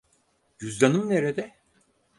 Cüzdanım nerede?